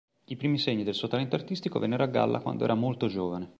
I primi segni del suo talento artistico vennero a galla quando era molto giovane.